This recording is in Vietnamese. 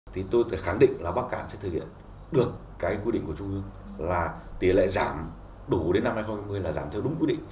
thì tôi khẳng định là bắc cạn sẽ thực hiện được cái quy định của trung ương là tỷ lệ giảm đủ đến năm hai nghìn hai mươi là giảm theo đúng quy định